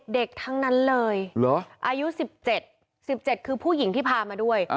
เด็กทั้งนั้นเลยอายุ๑๗๑๗คือผู้หญิงที่พามาด้วย